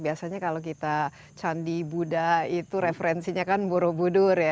biasanya kalau kita candi buddha itu referensinya kan borobudur ya